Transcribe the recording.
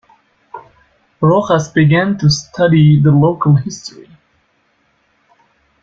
Rojas began to study the local history.